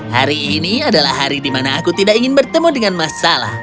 hari ini adalah hari di mana aku tidak ingin bertemu dengan masalah